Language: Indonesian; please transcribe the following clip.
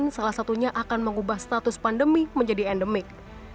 salah satunya akan mengubah status pandemi menjadi endemik